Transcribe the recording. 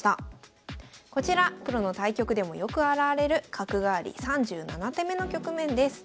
こちらプロの対局でもよく現れる角換わり３７手目の局面です。